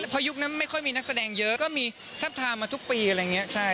พอยุคนั้นไม่ค่อยมีนักแสดงเยอะก็มีทับทามมาทุกปีอะไรอย่างนี้